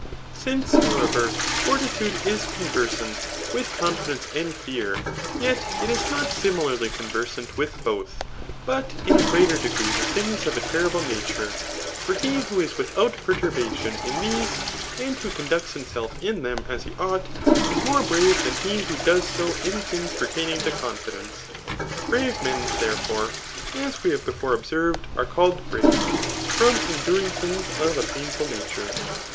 Since, however, fortitude is conversant widi confix di^ure and fear, yet it is not similarly conversant with bodi, but in a greater degree with things of a terrS>le nature. For he who is without perturbation in these, and who conducts himself in them as he ought, is more brave than he who does so in things pertaining to confi dence. Brave men, therefore, as we have before ob* served, are called brave,, from enduring things of a painful nature.